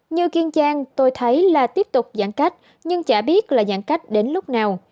như kiên giang tôi thấy là tiếp tục giãn cách nhưng chả biết là giãn cách đến lúc nào